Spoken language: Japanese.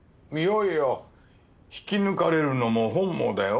いやいや引き抜かれるのも本望だよ。